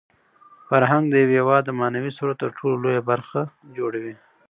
فرهنګ د یو هېواد د معنوي ثروت تر ټولو لویه برخه جوړوي.